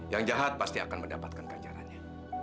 yang jahat pasti akan mendapatkan ganjarannya